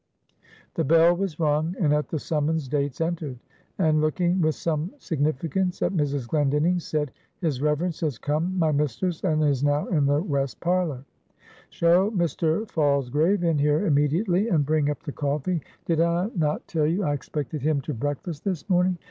The bell was rung; and at the summons Dates entered; and looking with some significance at Mrs. Glendinning, said, "His Reverence has come, my mistress, and is now in the west parlor." "Show Mr. Falsgrave in here immediately; and bring up the coffee; did I not tell you I expected him to breakfast this morning?"